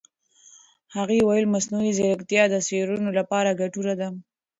هغې وویل مصنوعي ځیرکتیا د څېړنو لپاره ګټوره ده.